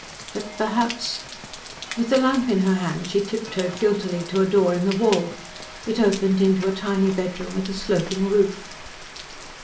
But perhaps .... With the lamp in her hand, she tip toed guiltily to a door in the wall: it opened into a tiny bedroom with a sloping roof.